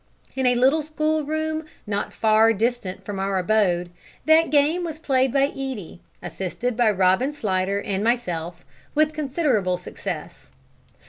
In a little schoolroom, not far distant from our abode, that game was played by Edie assisted by Robin Slidder and myself with considerable success.